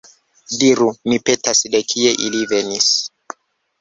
Diru, mi petas, de kie ili venis?